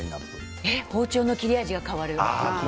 包丁の切れ味が変わる。